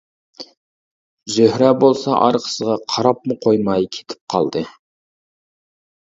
زۆھرە بولسا ئارقىسىغا قاراپمۇ قويماي كېتىپ قالدى.